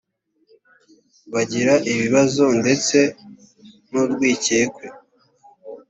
bagira ibibazo ndetse n ‘urwikekwe.